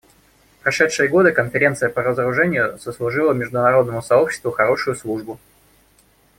В прошедшие годы Конференция по разоружению сослужила международному сообществу хорошую службу.